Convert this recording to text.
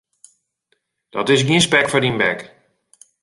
Dat is gjin spek foar dyn bek.